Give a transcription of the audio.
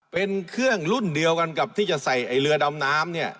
เป็นเครื่องรุ่นเดียวกันกับที่จะใส่ไอ้เรือดำน้ำเนี่ย